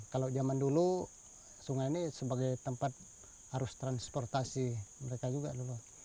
kalau zaman dulu sungai ini sebagai tempat arus transportasi mereka juga dulu